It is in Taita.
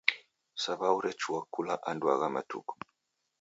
Saw'au rechua kula andu agha matuku.